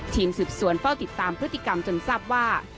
ทีมสืบสวนเฝ้าติดตามพฤติกรรมจนทราบว่า